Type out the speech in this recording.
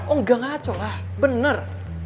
oh enggak ngaco lah benar